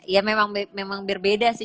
ya memang berbeda sih